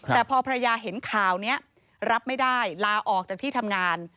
แต่พอภรรยาเห็นข่าวนี้รับไม่ได้ลาออกจากที่ทำงาน